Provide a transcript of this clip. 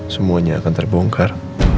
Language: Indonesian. semuanya akan terbongkar